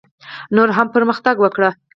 نور هم پرمختګ وکړي.